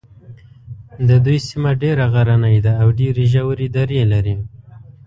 د دوی سیمه ډېره غرنۍ ده او ډېرې ژورې درې لري.